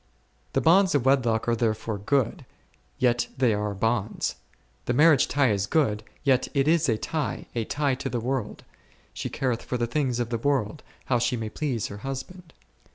The bonds of wedlock are therefore good, yet they are bonds ; the marriage tie is good, yet it is a tie, a tie to the world, she careth for the things of the world, how she may please her husband.